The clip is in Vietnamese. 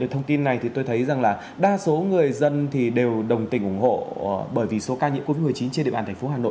các dân đều đồng tình ủng hộ bởi vì số ca nhiễm covid một mươi chín trên địa bàn thành phố hà nội